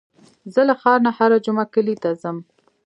زه له ښار نه هره جمعه کلي ته ځم.